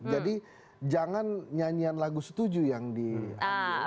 jadi jangan nyanyian lagu setuju yang diambil